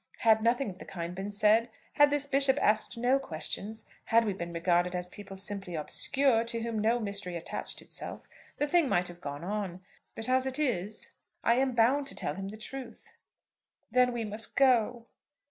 Had nothing of the kind been said, had this Bishop asked no questions, had we been regarded as people simply obscure, to whom no mystery attached itself, the thing might have gone on; but as it is, I am bound to tell him the truth." "Then we must go?"